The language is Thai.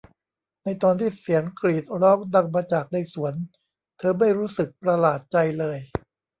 ในตอนที่เสียงกรีดร้องดังมาจากในสวนเธอไม่รู้สึกประหลาดใจเลย